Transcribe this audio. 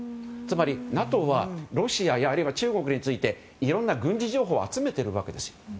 つまり、ＮＡＴＯはロシアやあるいは中国についていろんな軍事情報を集めているわけですよ。